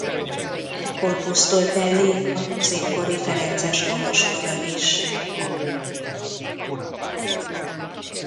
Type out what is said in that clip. Ekkor pusztult el Léka középkori ferences kolostora is.